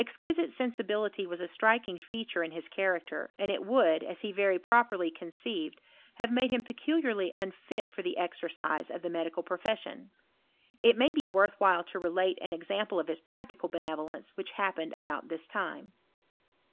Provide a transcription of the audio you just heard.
Exquisite sensibility was a striking feature in his character, and it would, as he very properly conceived, have made him peculiarly unfit for the exercise of the me dical profession. It may be worth while to relate an example of his practical benevolence which hap pened about this time.